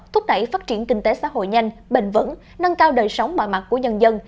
thúc đẩy phát triển kinh tế xã hội nhanh bền vững nâng cao đời sống mọi mặt của nhân dân